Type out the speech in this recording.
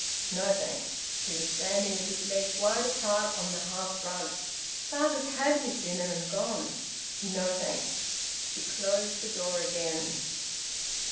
"No, thanks." He was standing with his legs wide apart on the hearth rug. "Father's had his dinner and gone." "No, thanks." She closed the door again.